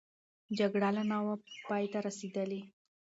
جګړه لا نه وه پای ته رسېدلې.